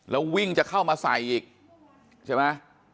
แล้ววิ่งจะเข้ามาใส่อีกใช่ไหม